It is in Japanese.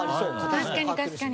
確かに確かに。